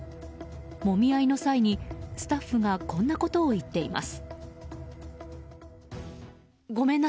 もみ合いの際にスタッフがこんなことを言っています。